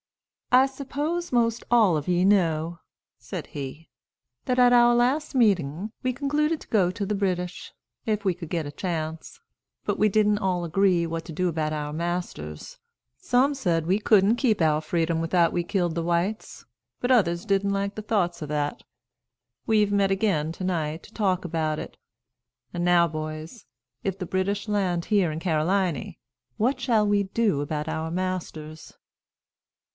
"I suppose most all of ye know," said he, "that at our last meeting we concluded to go to the British, if we could get a chance; but we didn't all agree what to do about our masters. Some said we couldn't keep our freedom without we killed the whites, but others didn't like the thoughts of that. We've met again to night to talk about it. An' now, boys, if the British land here in Caroliny, what shall we do about our masters?"